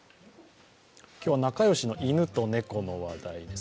今日は、仲良しの犬と猫の話題です。